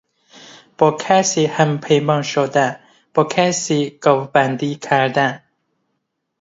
با کسی همپیمان شدن، با کسی گاوبندی کردن